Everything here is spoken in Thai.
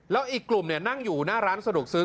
แล้วอีกกลุ่มนั่งอยู่หน้าร้านสะดวกซื้อ